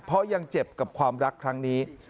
เพราะยังเจ็บกับความรักครั้งนี้